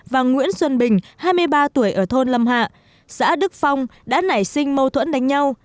và nguyễn xuân bình hai mươi ba tuổi ở thôn lâm hạ xã đức phong đã nảy sinh mâu thuẫn đánh nhau